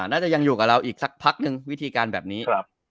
น่าจะยังอยู่กับเราอีกสักพักหนึ่งวิธีการแบบนี้